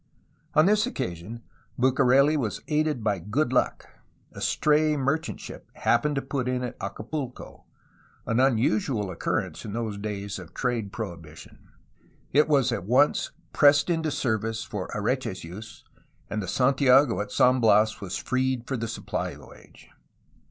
On this occasion Bucareli was aided by good luck. A stray merchant ship happened to put in at Acapulco, — an unusual occurrence in those days of trade prohibition. It was at once pressed into service for Areche's use, and the Santiago at San Bias was freed for the supply voyage.